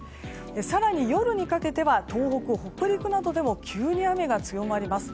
更に夜にかけては東北、北陸などでも急に雨が強まります。